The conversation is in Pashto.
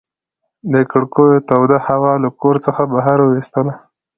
دې کړکیو توده هوا له کور څخه بهر ویستله.